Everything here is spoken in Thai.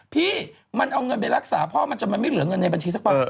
พี่มันเอาเงินไปรักษาพ่อมันจะมันไม่เหลือเงินในบัญชีสักบาท